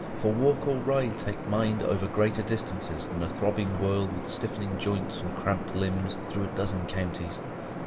For walk or ride take the mind over greater distances than a throbbing whirl with stiffening joints and cramped limbs through a dozen counties.